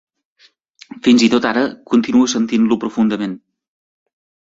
Fins i tot ara, continuo sentint-lo profundament.